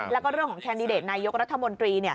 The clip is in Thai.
แล้วก็เรื่องของแคนดิเดตนายกรัฐมนตรี